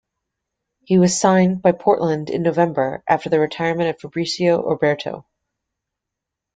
He was signed by Portland in November after the retirement of Fabricio Oberto.